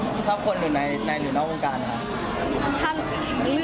อเจมส์ชอบคนอยู่ในหรือนอกวงการไหม